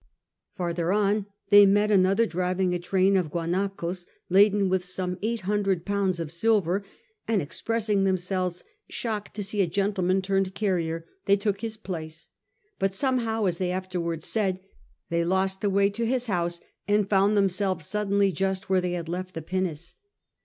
Farther on they met another driving a train of guana coes laden with some eight hundred pounds of silver, and expressing themselves shocked to see a gentleman turned carrier, they took his place; but somehow, as they after wards said, they lost the way to his house and found themselves suddenly just where they had left the pinnace.